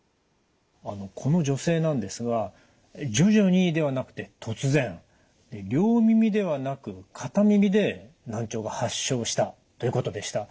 あのこの女性なんですが徐々にではなくて突然両耳ではなく片耳で難聴が発症したということでした。